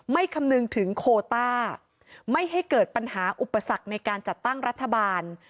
คำนึงถึงโคต้าไม่ให้เกิดปัญหาอุปสรรคในการจัดตั้งรัฐบาล